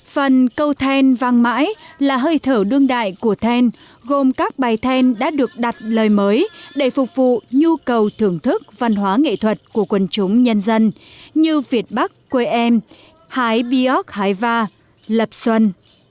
phần câu thên vang mãi là hơi thở đương đại của thên gồm các bài thên đã được đặt lời mới để phục vụ nhu cầu thưởng thức văn hóa nghệ thuật của quần chúng nhân dân như việt bắc quê em hải bióc hải va lập xuân